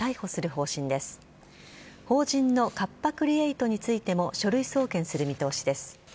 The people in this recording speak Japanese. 法人のカッパ・クリエイトについても書類送検する見通しです。